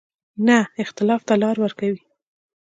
نه اختلاف ته لار ورکوي.